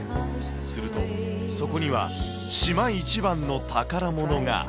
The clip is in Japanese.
すると、そこには島一番の宝物が。